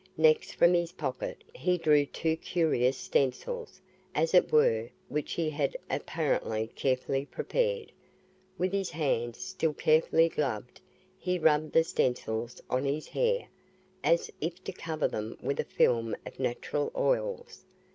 Next from his pocket he drew two curious stencils, as it were, which he had apparently carefully prepared. With his hands, still carefully gloved, he rubbed the stencils on his hair, as if to cover them with a film of natural oils.